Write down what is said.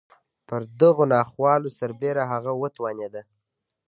پر دغو ناخوالو سربېره هغه وتوانېده.